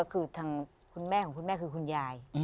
คุณแม่ของคุณแม่คือคุณยาย